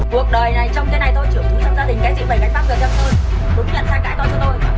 cuộc đời này trong cái này thôi trưởng thú trong gia đình cái gì phải gánh pháp được cho tôi đúng nhận sai cãi thôi cho tôi